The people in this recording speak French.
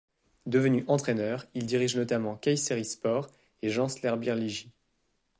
Devenu entraîneur, il dirige notamment Kayserispor et Gençlerbirliği.